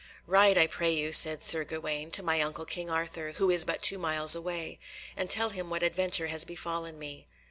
"Ride, I pray you," said Sir Gawaine, "to my uncle King Arthur, who is but two miles away, and tell him what adventure has befallen me."